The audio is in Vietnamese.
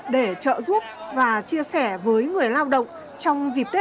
để trợ giúp và chia sẻ với người lao động trong dịp tết